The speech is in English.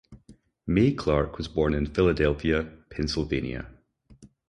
Mae Clarke was born in Philadelphia, Pennsylvania.